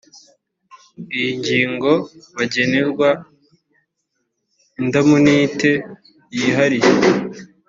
iyi ngingo bagenerwa indamunite yihariye